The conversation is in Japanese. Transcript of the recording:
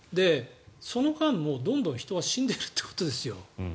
その間もどんどん人は死んでるということですよ